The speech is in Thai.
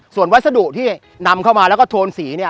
ส่วนวัสดุที่นำเข้ามาและโทนสี